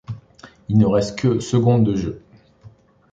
Il ne reste que secondes de jeu.